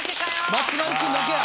松丸君だけや。